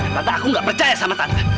tante aku gak percaya sama tante